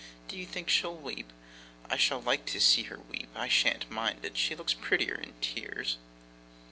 Do you think she'll weep? I shall like to see her weep, I shan't mind it. She looks prettier in tears.